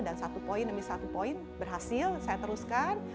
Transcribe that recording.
dan satu poin demi satu poin berhasil saya teruskan